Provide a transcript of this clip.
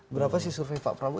berapa sih survei pak prabowo